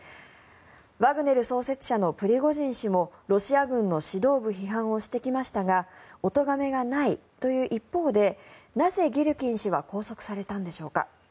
ワグネル創設者のプリゴジン氏もロシア軍の指導部批判をしてきましたがおとがめがないという一方でなぜ、ギルキン氏は拘束されたんでしょうか。